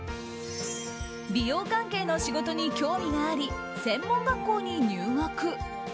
美容関係の仕事に興味があり専門学校に入学。